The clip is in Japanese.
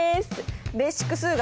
「ベーシック数学」